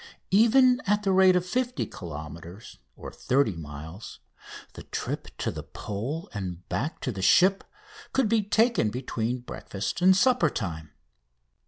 Even at the rate of 50 kilometres (30 miles), the trip to the Pole and back to the ship could be taken between breakfast and supper time.